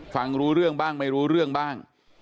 ฟังรู้เรื่องบ้างไม่รู้เรื่องบ้าง